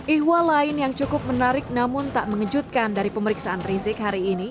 ihwa lain yang cukup menarik namun tak mengejutkan dari pemeriksaan rizik hari ini